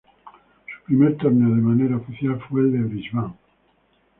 Su primer torneo de manera oficial fue el de Brisbane.